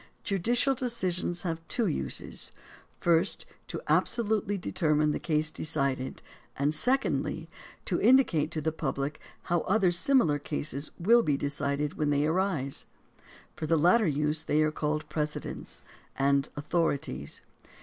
Judicial decisions have two uses — first, to absolutely de termine the case decided, and secondly, to indicate to the public how other similar cases will be decided when they arise. For the latter use, they are called "precedents" and "author ities."